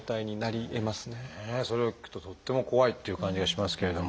それを聞くととっても怖いっていう感じがしますけれども。